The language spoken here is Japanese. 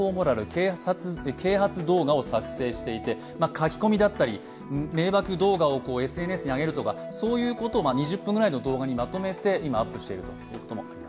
書き込みだったり、迷惑動画をＳＮＳに上げるとか、そういうことを２０分くらいの動画に集めて今、アップしていると。